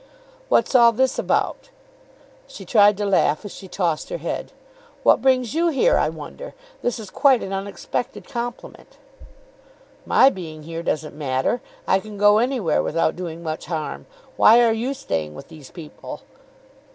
"What's all this about?" She tried to laugh as she tossed her head. "What brings you here, I wonder? This is quite an unexpected compliment." "My being here doesn't matter. I can go anywhere without doing much harm. Why are you staying with these people?"